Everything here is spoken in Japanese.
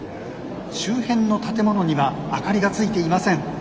周辺の建物には明かりがついていません。